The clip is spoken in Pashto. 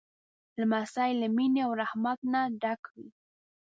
لمسی له مینې او رحمت نه ډک وي.